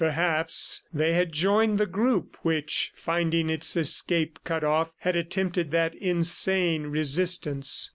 Perhaps they had joined the group which, finding its escape cut off, had attempted that insane resistance.